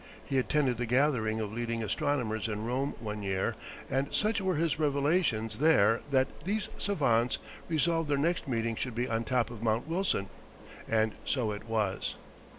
He attended the gathering of leading astronomers in Rome one year, and such were his revelations there that these savants resolved their next meeting should be on top of Mount Wilson. And so it was.